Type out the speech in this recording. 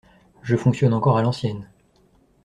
Je fonctionne encore à l’ancienne.